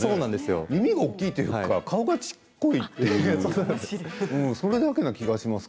耳が大きいというか顔が小っこいというかそれだけな気がします。